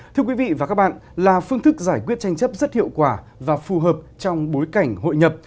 thưa quý vị và các bạn là phương thức giải quyết tranh chấp rất hiệu quả và phù hợp trong bối cảnh hội nhập